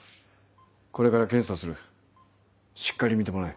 これから検査するしっかり診てもらえ。